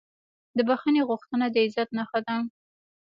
د بښنې غوښتنه د عزت نښه ده.